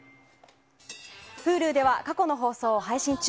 Ｈｕｌｕでは過去の放送を配信中。